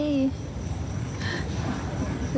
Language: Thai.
อะไรแม่